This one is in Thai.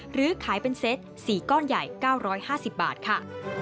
หรือขายเป็นเซต๔ก้อนใหญ่๙๕๐บาทค่ะ